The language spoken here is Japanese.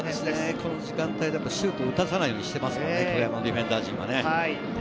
この時間帯でシュートを打たせないようにしてますよね、ディフェンダー陣が。